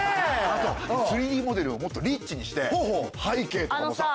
あと３Ｄモデルももっとリッチにして背景とかもさ。